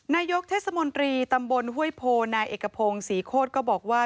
นายกเทศมนตรีตำบลห้วยโพนายเอกพงศรีโคตรก็บอกว่า